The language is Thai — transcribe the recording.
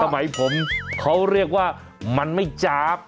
สมัยผมเขาเรียกว่ามันไม่จาบ